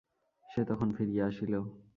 সে তখন ফিরিয়া আসিল।